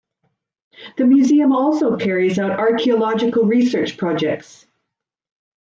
The museum also carries out archaeological research projects.